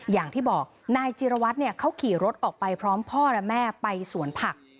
อย่างที่บอกนายจิรวัตรเนี่ยเขาขี่รถออกไปพร้อมพ่อและแม่ไปสวนผัก